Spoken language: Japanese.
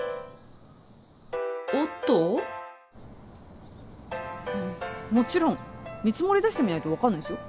おっと？ももちろん見積もり出してみないとわかんないですよ？